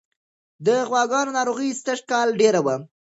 د غواګانو ناروغي سږکال ډېره وه.